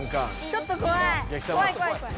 ちょっとこわい。